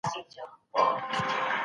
د اطلاعاتو راټولول ډېر دقت او زیار غواړي.